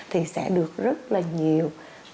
thì sẽ được rất là nhiều